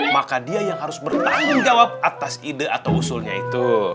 maka dia yang harus bertanggung jawab atas ide atau usulnya itu